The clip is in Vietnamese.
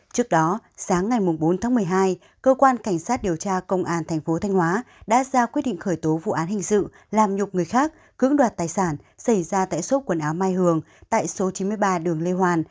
trước đó sáng ngày bốn tháng một mươi hai cơ quan cảnh sát điều tra công an thành phố thanh hóa đã ra quyết định khởi tố vụ án hình sự làm nhục người khác cưỡng đoạt tài sản xảy ra tại số quần áo mai hường tại số chín mươi ba đường lê hoàn